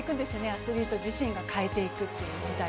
アスリート自身が変えていくという時代。